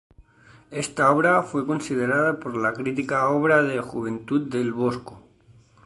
Esta obra fue considerada por la crítica obra de juventud del Bosco.